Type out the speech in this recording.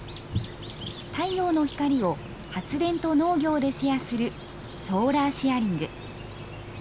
太陽の光を発電と農業でシェアするソーラーシェアリング。